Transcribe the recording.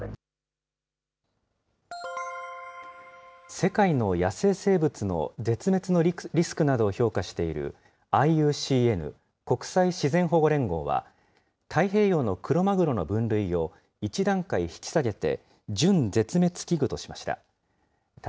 世界の野生生物の絶滅のリスクなどを評価している、ＩＵＣＮ・国際自然保護連合は、太平洋のクロマグロの分類を１段階引き下げて、準絶滅危惧としました。